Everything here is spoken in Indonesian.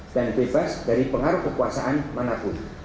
dan bebas dari pengaruh kekuasaan manapun